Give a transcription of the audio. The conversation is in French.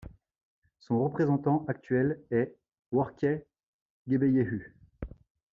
Son représentant actuel est Workneh Gebeyehu.